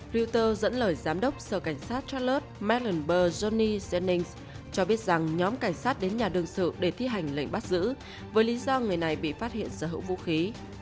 reuters dẫn lời giám đốc sở cảnh sát charlotte mellon burr johnny jennings cho biết rằng nhóm cảnh sát đến nhà đường sự để thi hành lệnh bắt giữ với lý do người này bị phát hiện sở hữu vũ khí